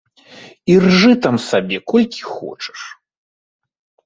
І ржы там сябе колькі хочаш.